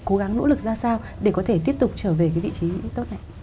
cố gắng nỗ lực ra sao để có thể tiếp tục trở về cái vị trí tốt này